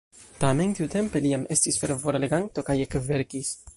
Tamen tiutempe li jam estis fervora leganto kaj ekverkis.